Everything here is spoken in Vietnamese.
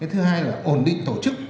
thứ hai là ổn định tổ chức